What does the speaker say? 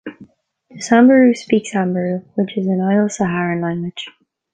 The Samburu speak Samburu, which is a Nilo-Saharan language.